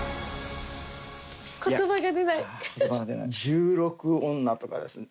十六女とかですね